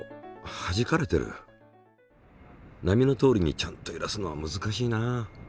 波のとおりにちゃんとゆらすのは難しいな。